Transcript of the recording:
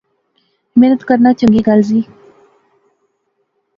محنت کرنا چنگی گل زی